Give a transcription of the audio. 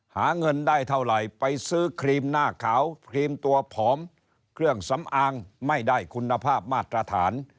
หาเงินได้เท่าไหร่ไปซื้อครีมหน้าขาวครีมตัวผอมเครื่องสำอางไม่ได้คุณภาพมาตรฐาน